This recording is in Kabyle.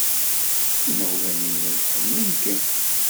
Imawlan-nnem ḥemmlen-kem.